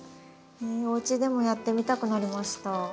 おうちでもやってみたくなりました。